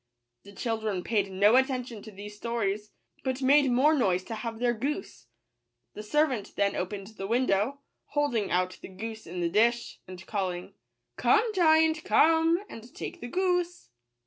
The children paid no attention to these sto ries, but made more noise to have their goose. The servant then opened the window, hold ing out the goose in the dish, and calling " Come, giant, come, and take the goose."